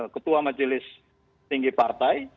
ketua majelis tinggi partai